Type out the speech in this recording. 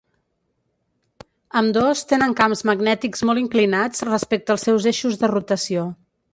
Ambdós tenen camps magnètics molt inclinats respecte als seus eixos de rotació.